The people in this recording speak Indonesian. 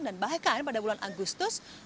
dan bahkan pada bulan agustus